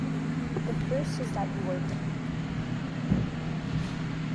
The first is that you are drunk.